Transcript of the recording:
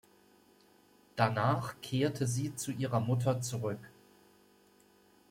Danach kehrte sie zu ihrer Mutter zurück.